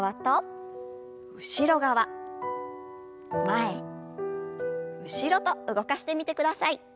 前後ろと動かしてみてください。